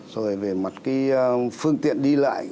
rồi về mặt cái phương tiện đi lại